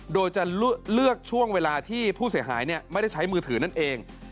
โดยจะเลือกช่วงเวลาที่ผู้เสียหายไม่ได้ใช้มือถือนั่นเอง